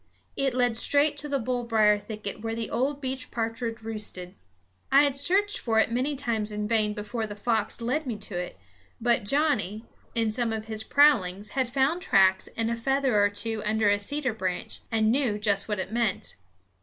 It led straight to the bullbrier thicket where the old beech partridge roosted. I had searched for it many times in vain before the fox led me to it; but Johnnie, in some of his prowlings, had found tracks and a feather or two under a cedar branch, and knew just what it meant.